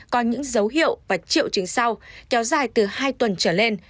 có những dấu hiệu và triệu chứng sau kéo dài từ hai tuần trở lên